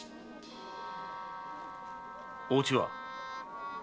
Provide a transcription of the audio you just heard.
おうちは？